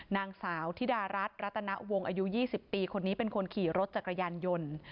นางสาวธิดารัฐรัตนวงอายุ๒๐ปีคนนี้เป็นคนขี่รถจักรยานยนต์